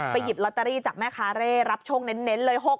หยิบลอตเตอรี่จากแม่ค้าเร่รับโชคเน้นเลย